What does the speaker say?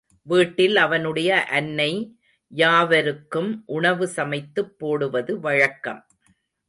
வீட்டில் அவனுடைய அன்னை யாவருக்கும் உணவு சமைத்துப் போடுவது வழக்கம்.